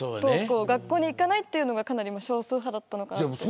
学校に行かないのがかなり少数派だったのかなと。